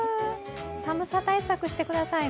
寒さ対策してください。